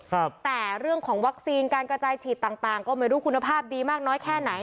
แต่เรื่องของวัคซีนการกระจายฉีดต่างต่างก็ไม่รู้คุณภาพดีมากน้อยแค่ไหน